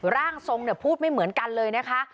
ร่างทรงพูดไม่เหมือนกันเลยนะคะ